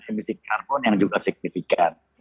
emisi karbon yang juga signifikan